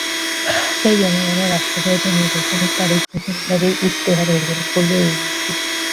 তাই জনগণের আস্থা ফেরাতে নির্বাচনের তারিখ ঘোষণার আগেই ইশতেহার ঘোষণা করল এএনসি।